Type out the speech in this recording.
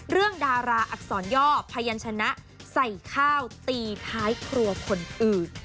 ดาราอักษรย่อพยันชนะใส่ข้าวตีท้ายครัวคนอื่น